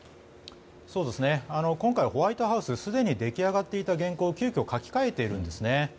今回、ホワイトハウスすでに出来上がっていた原稿を急きょ書き換えているんです。